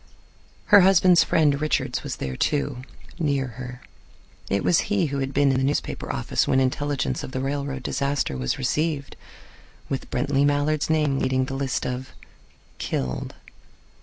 Her husband's friend Richards was there, too, near her. It was he who had been in the newspaper office when intelligence of the railroad disaster was received, with Brently Mallard's name leading the list of "killed."